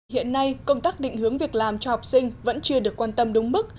hiện nay công tác định hướng việc làm cho học sinh vẫn chưa được quan tâm đúng mức